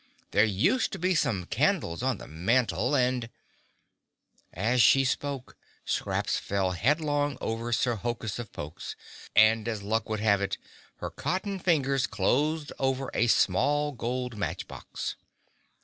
There used to be some candles on the mantel and—" As she spoke, Scraps fell headlong over Sir Hokus of Pokes and as luck would have it her cotton fingers closed over a small gold match box.